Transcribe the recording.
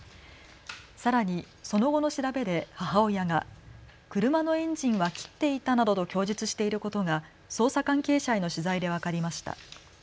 さらに、その後の調べで母親が車のエンジンは切っていたなどと供述していることが捜査関係者への取材で分かりました。